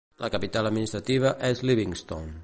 La capital administrativa és Livingston.